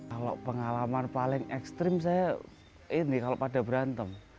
kalau pengalaman paling ekstrim saya ini kalau pada berantem